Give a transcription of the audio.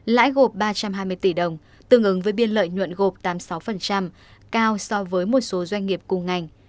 lãi gộp ba trăm hai mươi tỷ đồng tương ứng với biên lợi nhuận gộp tám mươi sáu cao so với một số doanh nghiệp cùng ngành